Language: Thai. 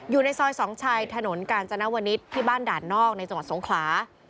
อยู่ในซอยสองชัยถนนกาญจนวนิษฐ์ที่บ้านด่านนอกในจังหวัดสงขลา